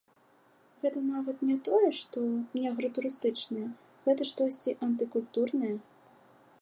Гэта нават не тое, што не агратурыстычнае, гэта штосьці антыкультурнае.